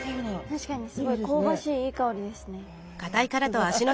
確かにすごい香ばしいいい香りですね。